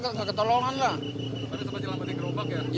karena sempat nyelamatin gerobak ya